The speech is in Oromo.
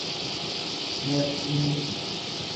peepsinii